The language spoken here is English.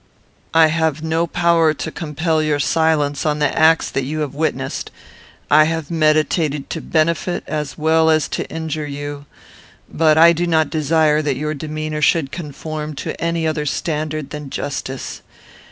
I have no power to compel your silence on the acts that you have witnessed. I have meditated to benefit as well as to injure you; but I do not desire that your demeanour should conform to any other standard than justice.